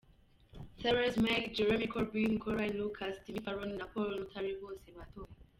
Theresa May, Jeremy Corbyn, Caroline Lucas, Tim Farron na Paul Nuttall bose batoye.